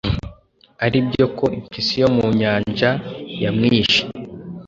aribyoko impyisi yo mu nyanja yamwishe